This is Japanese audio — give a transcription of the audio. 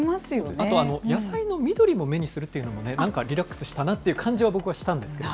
あと、野菜の緑も目にするというのもね、なんかリラックスしたなという感じを僕はしたんですけどね。